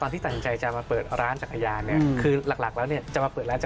คุณผู้ชมไม่เจนเลยค่ะถ้าลูกคุณออกมาได้มั้ยคะ